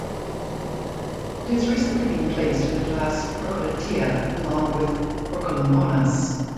It has recently been placed in the class Percolatea, along with "Percolomonas".